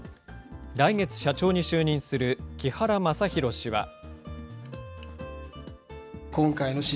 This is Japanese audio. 来月社長に就任する木原正裕氏は。